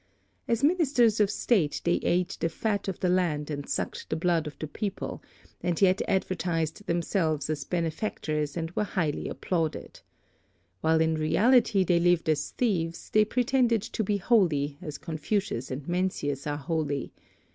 As Ministers of State they ate the fat of the land and sucked the blood of the people, and yet advertised themselves as benefactors and were highly applauded. While in reality they lived as thieves, they pretended to be holy, as Confucius and Mencius are holy.